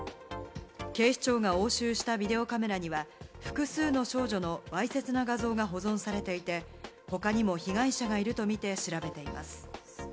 警視庁が押収したビデオカメラには複数の少女のわいせつな画像が保存されていて、他にも被害者がいるとみて調べています。